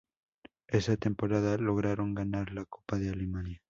Esa temporada lograron ganar la Copa de Alemania.